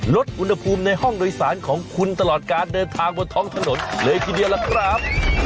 ลดอุณหภูมิในห้องโดยสารของคุณตลอดการเดินทางบนท้องถนนเลยทีเดียวล่ะครับ